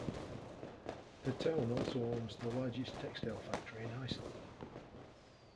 The town also owns the largest textile factory in Iceland.